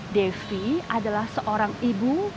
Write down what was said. devi adalah seorang ibu